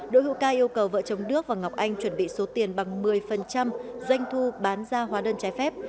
đỗ hữu ca yêu cầu vợ chồng đức và ngọc anh chuẩn bị số tiền bằng một mươi doanh thu bán ra hóa đơn trái phép